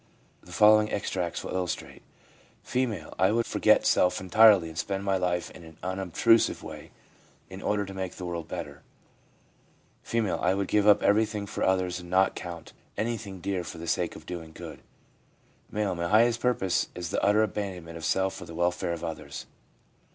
The following extracts will illustrate : F. 1 I would forget self entirely and spend my life in an unobtrusive way, in order to make the world better/ F. ' I would give up everything for others, and not count anything dear for the sake of doing good/ M. * My highest purpose is the utter abandonment of self for the welfare of others.'